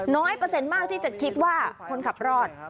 เปอร์เซ็นต์มากที่จะคิดว่าคนขับรอด